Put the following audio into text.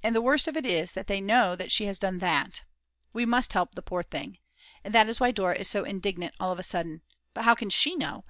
And the worst of it is, that they know that she has done that. We must help the poor thing. And that is why Dora is so indignant all of a sudden. But how can she know?